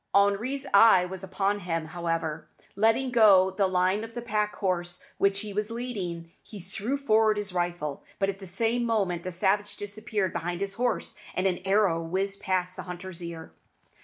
Henri's eye was upon him, however. Letting go the line of the pack horse which he was leading, he threw forward his rifle; but at the same moment the savage disappeared behind his horse, and an arrow whizzed past the hunter's ear.